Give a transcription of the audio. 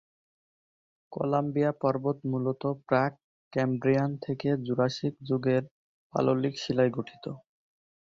Columbia পর্বত মূলত প্রাক-ক্যাম্ব্রিয়ান থেকে জুরাসিক যুগের পাললিক শিলায় গঠিত।